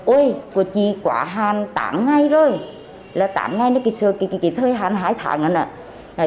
ôi của chị quá hàn tám ngày rồi là tám ngày là cái thời hàn hai tháng rồi nè